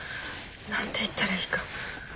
何て言ったらいいか。